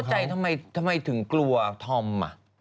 แล้วไม่เข้าใจทำไมถึงกลัวธอมอ่ะ